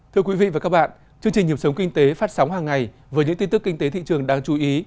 thưa quý vị và các bạn chương trình nhịp sống kinh tế phát sóng hàng ngày với những tin tức kinh tế thị trường đáng chú ý